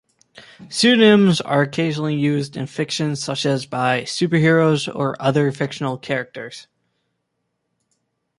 Pseudonyms are occasionally used in fiction such as by superheroes or other fictional characters.